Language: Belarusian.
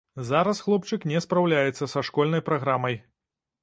Зараз хлопчык не спраўляецца са школьнай праграмай.